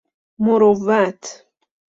مروت